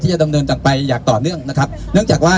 จะดำเนินต่อไปอย่างต่อเนื่องนะครับเนื่องจากว่า